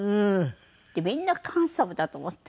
みんなハンサムだと思って。